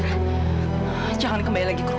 kan aku nggak mau bikin ibu susah